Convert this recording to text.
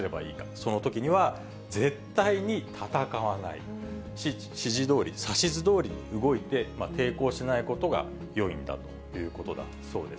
そのときには絶対に戦わない、指示どおり、指図どおり動いて、抵抗しないことがよいんだということだそうです。